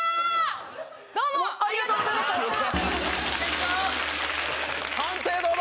どうもありがとうございました判定どうぞ！